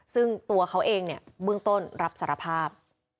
ซึ่งตัวเขาเองเนี่ยเบื้องต้นรับสารภาพ